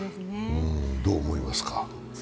どう思いますか？